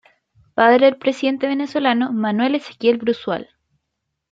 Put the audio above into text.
Padre del presidente venezolano Manuel Ezequiel Bruzual.